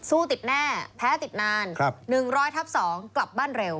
ติดแน่แพ้ติดนาน๑๐๐ทับ๒กลับบ้านเร็ว